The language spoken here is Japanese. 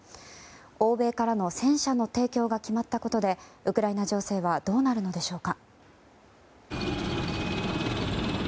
欧米からの戦車の提供が決まったことでウクライナ情勢はどうなるのでしょうか。